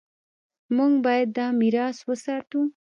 موږ باید دا میراث وساتو.